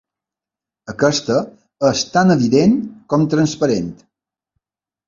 Aquesta és tan evident com transparent.